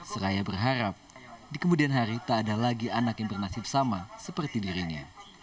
seraya berharap di kemudian hari tak ada lagi anak yang bernasib sama seperti dirinya